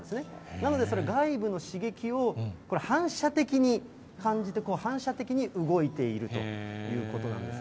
なので、外部の刺激を反射的に感じて、反射的に動いているということなんです。